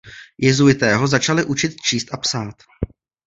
Jezuité ho začali učit číst a psát.